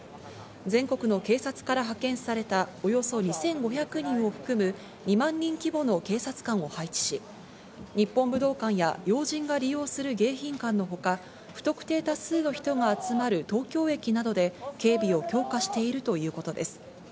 全国の警察から派遣された、およそ２５００人を含む２万人規模の警察官を配置し、日本武道館や要人が利用する迎賓館のほか、不特定多数の人が集まる東京駅などで警備を強化しているということです。